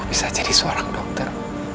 bisa jadi seorang dokter